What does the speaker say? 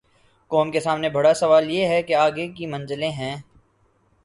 قوم کے سامنے بڑا سوال یہ ہے کہ آگے کی منزلیں ہیں۔